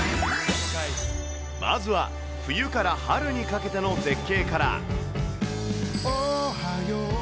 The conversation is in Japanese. まずは冬から春にかけての絶景から。